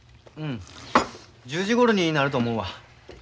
うん１０時ごろになると思うわ。